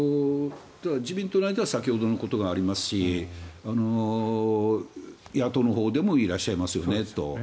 自民党内では先ほどのことがありますし野党のほうでもいらっしゃいますよねと。